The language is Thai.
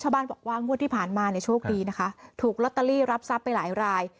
ชาวบ้านบอกว่างวดที่ผ่านมาเนี่ยโชคดีนะคะถูกลอตเตอรี่รับทรัพย์ไปหลายราย